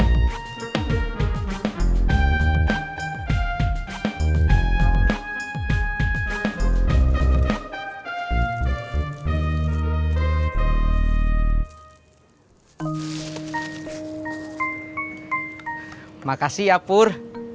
terima kasih ya pur